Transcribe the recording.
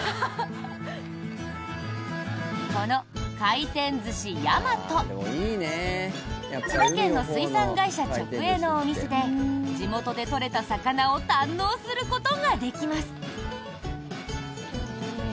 この回転寿司やまと千葉県の水産会社直営のお店で地元で取れた魚を堪能することができます。